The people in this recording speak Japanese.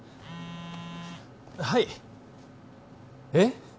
はいえっ？